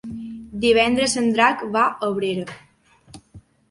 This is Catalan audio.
Divendres en Drac va a Abrera.